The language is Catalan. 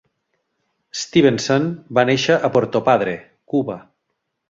Stevenson va néixer a Puerto Padre, Cuba.